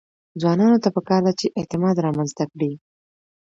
ځوانانو ته پکار ده چې، اعتماد رامنځته کړي.